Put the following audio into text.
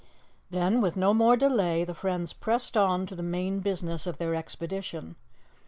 Then, with no more delay, the friends pressed on to the main business of their expedition.